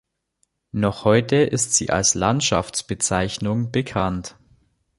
Noch heute ist sie als Landschaftsbezeichnung bekannt.